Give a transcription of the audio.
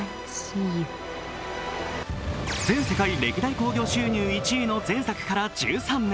全世界歴代興行収入１位の前作から１３年。